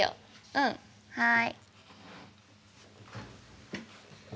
うんはい。